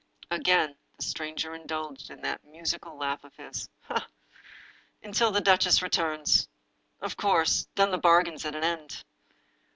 Again the stranger indulged in that musical laugh of his. "Ah, until the duchess returns! Of course, then the bargain's at an end.